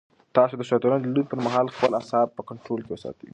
تاسو د شطرنج د لوبې پر مهال خپل اعصاب په کنټرول کې وساتئ.